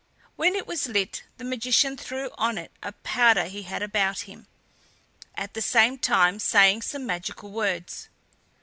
When it was lit the magician threw on it a powder he had about him, at the same time saying some magical words.